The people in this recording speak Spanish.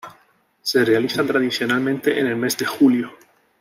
Se realiza tradicionalmente en el mes de julio.